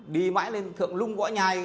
đi mãi lên thượng lung gõi nhai nhiều vụ